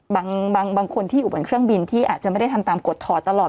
บางคนที่อยู่บนเครื่องบินที่อาจจะไม่ได้ทำตามกฎถอดตลอด